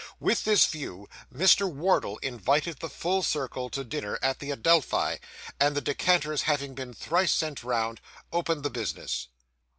With this view, Mr. Wardle invited the full circle to dinner at the Adelphi; and the decanters having been thrice sent round, opened the business.